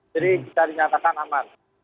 jadi kita dinyatakan aman